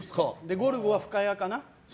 ゴルゴは深谷かな。